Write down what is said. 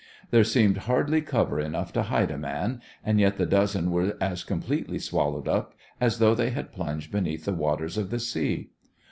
There seemed hardly cover enough to hide a man, and yet the dozen were as completely swallowed up as though they had plunged beneath the waters of the sea.